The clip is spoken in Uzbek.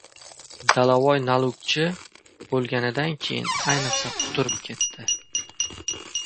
Dalavoy nalugchi bo‘lganidan keyin, ayniqsa quturib ketdi.